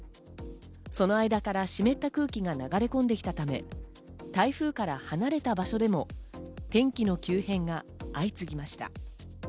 その間から湿った空気が流れ込んできたため、台風から離れた場所でも天気の急変が相次ぎました。